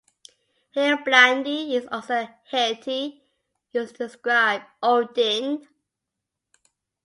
Helblindi is also a "heiti" used to describe Odin.